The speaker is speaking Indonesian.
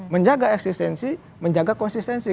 menjaga eksistensi menjaga konsistensi